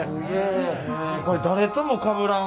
これ誰ともかぶらんからね